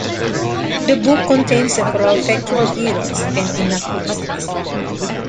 The book contains several factual errors and inaccuracies.